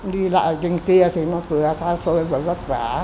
đi lại trên kia thì nó vừa tha sôi vừa vất vả